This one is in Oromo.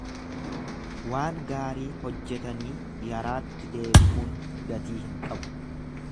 Waan gaarii hojjetanii yaraatti deebii'uun gatii hin qabu.